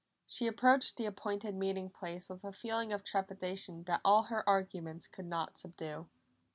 She approached the appointed meeting place with a feeling of trepidation that all her arguments could not subdue.